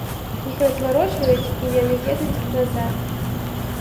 Іх разварочваюць, і яны едуць назад.